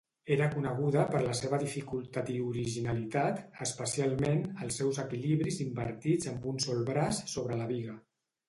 Era coneguda per la seva dificultat i originalitat, especialment els seus equilibris invertits amb un sol braç sobre la biga.